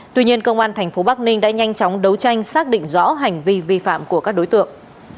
tuy nhiên công an tp bắc ninh đã nhanh chóng đấu tranh xác định rõ hành vi vi phạm của các đối tượng